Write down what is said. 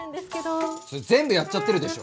それ全部やっちゃってるでしょ。